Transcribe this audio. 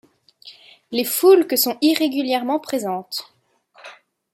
Les foulques sont irrégulièrement présentes.